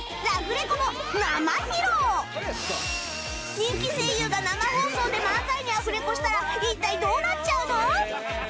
人気声優が生放送で漫才にアフレコしたら一体どうなっちゃうの？